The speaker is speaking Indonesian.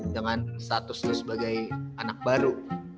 dengan status lu sebagai anak baru